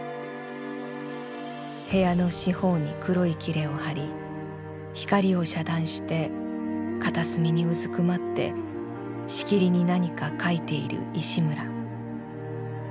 部屋の四方に黒いきれを貼り光を遮断して片隅にうずくまってしきりに何か描いている石村。